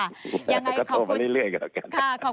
ก็โทรมาเรื่อยกัน